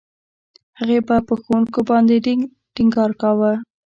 هغې به په ښوونکو باندې ډېر ټينګار کاوه.